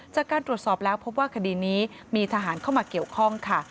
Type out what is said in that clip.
จากการตรวจสอบแล้วพบว่าคดีนี้มีทหารเข้ามาเกี่ยวข้องค่ะ